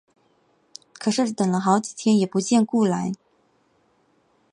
可是等了好几天也不见辜来。